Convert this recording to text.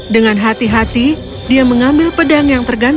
dengan hati hati dia mengambil pedang yang tergantung